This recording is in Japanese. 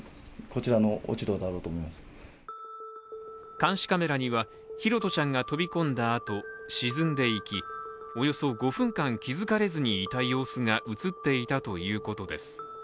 監視カメラには拓社ちゃんが飛び込んだあと沈んでいき、およそ５分間気づかれずにいた様子が映っていたということです。